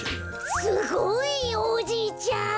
すごい！おじいちゃん。